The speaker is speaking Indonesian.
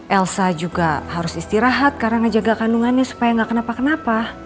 elsa juga harus istirahat karena ngejaga kandungannya supaya nggak kenapa kenapa